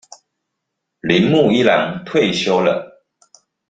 鈴木一朗退休了